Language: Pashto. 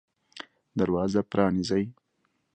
دروازه پرانیزئ